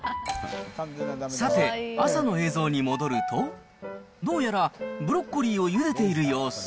さて、朝の映像に戻ると、どうやら、ブロッコリーをゆでている様子。